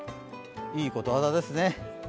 いいことわざですね。